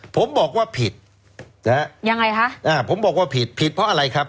ผมบอกว่าผิดนะฮะยังไงคะอ่าผมบอกว่าผิดผิดเพราะอะไรครับ